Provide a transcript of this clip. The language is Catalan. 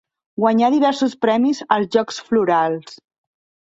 Guanyà diversos premis als Jocs Florals.